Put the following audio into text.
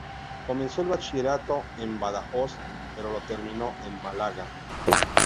Comenzó el bachillerato en Badajoz, pero lo terminó en Málaga.